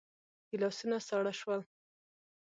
ګيلاسونه ساړه شول.